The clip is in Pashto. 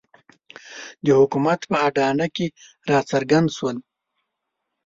د حکومت په اډانه کې راڅرګند شول.